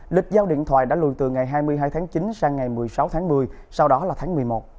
lịch giao điện thoại đã lùi từ ngày hai mươi hai tháng chín sang ngày một mươi sáu tháng một mươi sau đó là tháng một mươi một